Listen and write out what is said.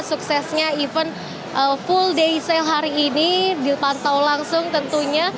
suksesnya event full day sale hari ini dipantau langsung tentunya